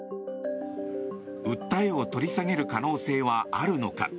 訴えを取り下げる可能性はあるのか。